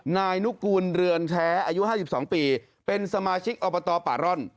นายนุกูลเรือนแท้อายุ๕๒ปีเป็นสมาชิกอบตป่าร่อน